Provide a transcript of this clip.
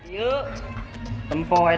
yuk tempoh aja sama maka